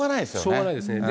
しょうがないですね。